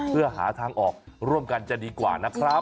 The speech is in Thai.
เพื่อหาทางออกร่วมกันจะดีกว่านะครับ